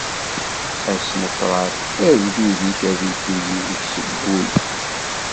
Ass n ṭṭrad, agdud-ik ad iddu yid-k seg wul.